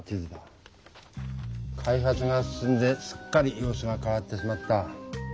開発が進んですっかり様子がかわってしまった。